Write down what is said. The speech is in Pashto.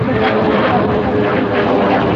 کابل په حقیقت کې د افغانستان د ښکلي طبیعت برخه ده.